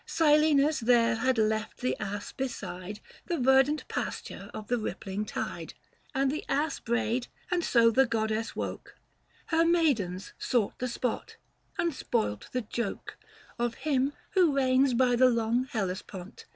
Silenus there had left the ass beside 400 The verdant pasture of the rippling tide, And the ass brayed, and so the goddess woke ; Her maidens sought the spot, and spoilt the joke 188 THE FASTI. Book VI. Of him who reigns by the long Hellespont.